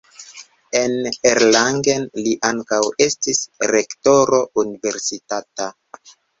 En Erlangen li ankaŭ estis rektoro universitata.